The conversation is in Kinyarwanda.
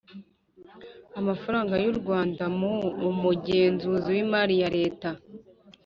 amafaranga y'u rwanda, mu umugenzuzi w'imari ya leta